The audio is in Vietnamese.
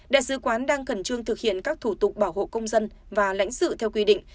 đại sứ quán đang khẩn trương thực hiện các thủ tục bảo hộ công dân và lãnh sự theo quy định